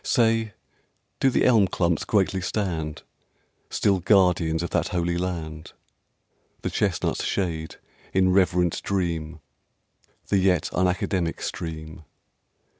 Say, do the elm clumps greatly stand Still guardians of that holy land? The chestnuts shade, in reverend dream, The yet unacademic stream?